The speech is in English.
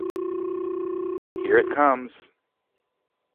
Here it comes.